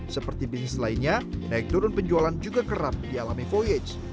seperti bisnis lainnya naik turun penjualan juga kerap dialami voyage